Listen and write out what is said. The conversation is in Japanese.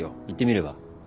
行ってみれば？